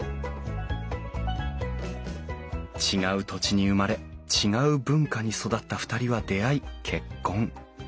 違う土地に生まれ違う文化に育った２人は出会い結婚。